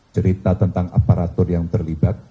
cerita tentang aparatur yang terlibat